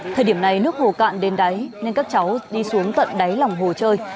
thời điểm này nước hồ cạn đến đáy nên các cháu đi xuống tận đáy lòng hồ chơi